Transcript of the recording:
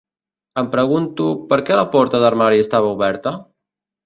Em pregunto per què la porta d'armari estava oberta?